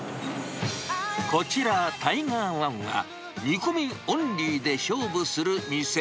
こちら、タイガーワンは、煮込みオンリーで勝負する店。